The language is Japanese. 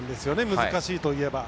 難しいといえば。